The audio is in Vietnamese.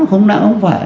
không nặng không phải